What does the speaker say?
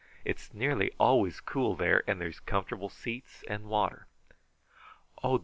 It's nearly always cool there, and there's comfortable seats, and water." "Oh!